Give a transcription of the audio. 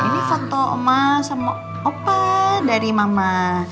ini foto omah sama opa dari mama